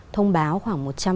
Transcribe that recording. thông báo khoảng một trăm năm mươi